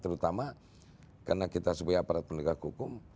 terutama karena kita sebagai aparat penegak hukum